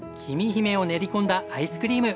ひめを練り込んだアイスクリーム。